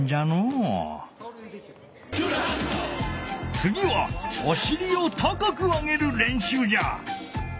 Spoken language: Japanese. つぎはおしりを高く上げる練習じゃ！